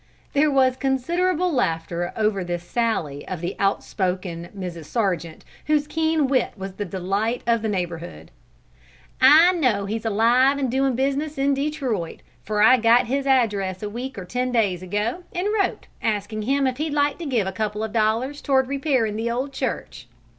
There was considerable laughter over this sally of the outspoken Mrs. Sargent, whose keen wit was the delight of the neighbourhood. "I know he's alive and doing business in Detroit, for I got his address a week or ten days ago, and wrote, asking him if he'd like to give a couple of dollars toward repairing the old church."